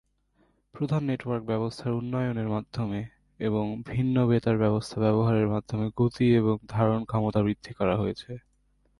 প্রধান নেটওয়ার্ক ব্যবস্থার উন্নয়নের মাধ্যমে এবং ভিন্ন বেতার ব্যবস্থা ব্যবহারের মাধ্যমে গতি এবং ধারণ ক্ষমতা বৃদ্ধি করা হয়েছে।